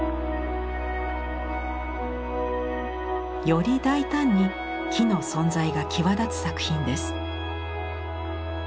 より大胆に木の存在が際立つ作品です。